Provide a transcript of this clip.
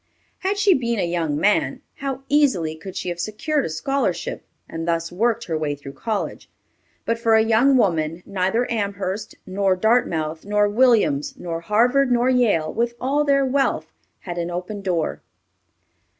Had she been a young man, how easily could she have secured a scholarship, and thus worked her way through college; but for a young woman, neither Amherst, nor Dartmouth, nor Williams, nor Harvard, nor Yale, with all their wealth, had an open door.